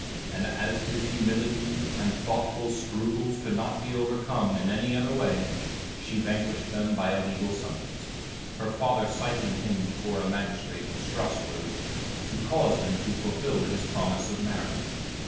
And as his humility and thoughtful scruples could not be overcome in any other way, she vanquished them by a legal summons; her father citing him before a magistrate of Strasbourg, to cause him to fulfill his promise of marriage.